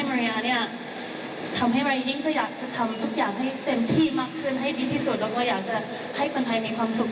มาเชียร์โปรโปรให้กับมาริยานะครับ